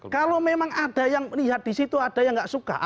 kalau memang ada yang lihat di situ ada yang nggak suka